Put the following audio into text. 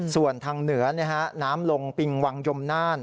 ส่วนทางเหนือน้ำลงปิงวังยมน่าน